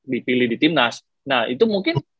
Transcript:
dipilih di timnas nah itu mungkin